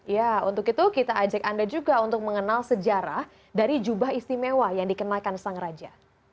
ya untuk itu kita ajak anda juga untuk mengenal sejarah dari jubah istimewa yang dikenakan sang raja